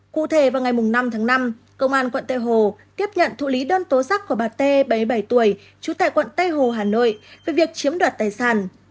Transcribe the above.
cụ thể vào ngày năm tháng năm công an quận tê hồ tiếp nhận thụ lý đơn tố rắc của bà tê bảy mươi bảy tuổi trú tại quận tê hồ hà nội về việc chiếm đoạt tài sản